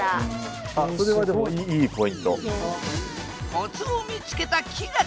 コツを見つけた輝星。